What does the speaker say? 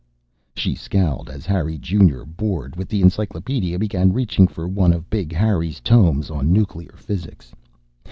She scowled as Harry Junior, bored with the encyclopedia, began reaching for one of Big Harry's tomes on nuclear physics.